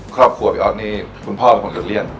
ครอบครัวพี่ออฟนี่คุณพ่อเป็นคนอิตาเลียน